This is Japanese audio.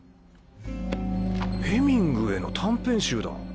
ヘミングウェイの短編集だ。